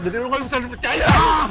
jadi lu gak bisa dipercaya